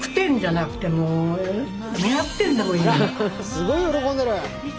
すごい喜んでる！